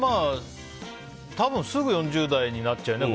多分すぐ４０代になっちゃうよね。